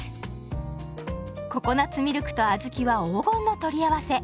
ココナツミルクと小豆は黄金の取り合わせ。